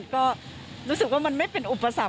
ก็รู้สึกว่ามันไม่เป็นอุปสรรค